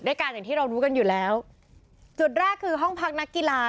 การอย่างที่เรารู้กันอยู่แล้วจุดแรกคือห้องพักนักกีฬา